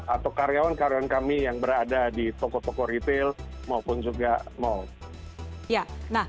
atau karyawan karyawan kami yang berada di toko toko retail maupun juga mall